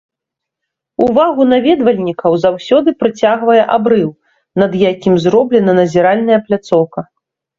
Увагу наведвальнікаў заўсёды прыцягвае абрыў, над якім зроблена назіральная пляцоўка.